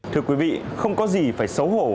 thưa quý vị không có gì phải xấu hổ